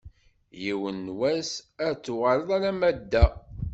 Yiwen n wass ad d-tuɣaleḍ alamma d da.